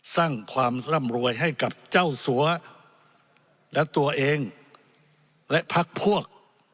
สร้างความร่ำรวยให้กับเจ้าสัวและตัวเองและพักพวก